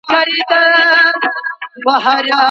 که ښوونکی بې طرفه وي نو ټول ماشومان خوشحاله وي.